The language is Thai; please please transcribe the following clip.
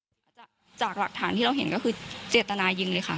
จากหลักฐานที่เราเห็นก็คือเจตนายิงเลยค่ะ